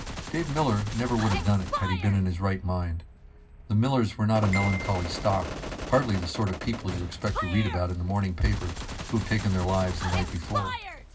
_ Dave Miller would never have done it, had he been in his right mind. The Millers were not a melancholy stock, hardly the sort of people you expect to read about in the morning paper who have taken their lives the night before.